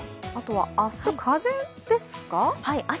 あとは明日風ですか？